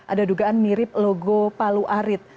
ada dugaan mirip logo palu arit